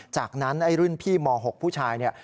จากนั้นไอ้รุ่นพี่ม๖ผู้ชายเนี่ย